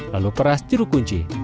lalu peras jeruk kunci